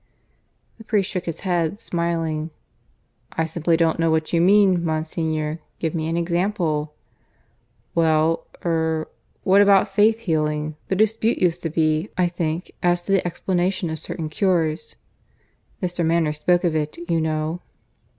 The priest shook his head, smiling. "I simply don't know what you mean, Monsignor. Give me an example." "Well ... er ... what about Faith healing? The dispute used to be, I think, as to the explanation of certain cures. (Mr. Manners spoke of it, you know.)